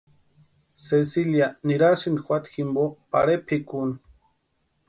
Cecilia nirasïnti juata jimpo pare pʼikuni.